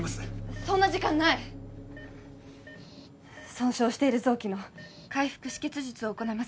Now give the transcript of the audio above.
そんな時間ない損傷している臓器の開腹止血術を行います